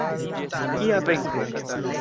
Kia venko!